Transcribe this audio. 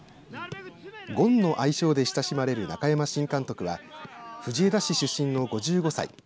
ゴンの愛称で親しまれる中山新監督は藤枝市出身の５５歳。